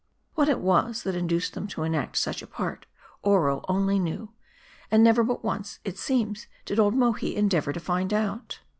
What it was, that induce^ them to enact such a part, Oro only knew ; and never but once, it seems, did old Mohi endeavor to find out.